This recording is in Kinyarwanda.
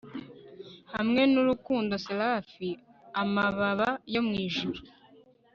Hamwe nurukundo seraf amababa yo mwijuru